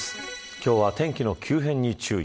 今日は天気の急変に注意。